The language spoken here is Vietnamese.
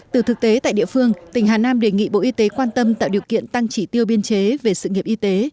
từ thực tế tại địa phương tỉnh hà nam đề nghị bộ y tế quan tâm tạo điều kiện tăng chỉ tiêu biên chế về sự nghiệp y tế